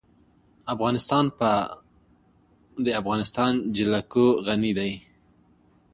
افغانستان په د افغانستان جلکو غني دی.